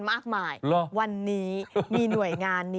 ชาวนักบ้าน